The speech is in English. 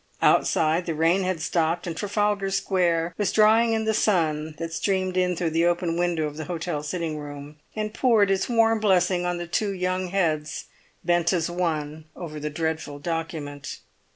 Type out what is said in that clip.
Outside, the rain had stopped, and Trafalgar Square was drying in the sun, that streamed in through the open window of the hotel sitting room, and poured its warm blessing on the two young heads bent as one over the dreadful document.